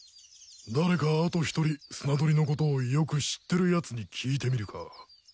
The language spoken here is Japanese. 誰かあと１人スナドリのことをよく知ってるやつに聞いてみるか。